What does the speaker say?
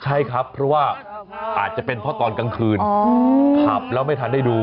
ใช่ครับเพราะว่าอาจจะเป็นเพราะตอนกลางคืนขับแล้วไม่ทันได้ดู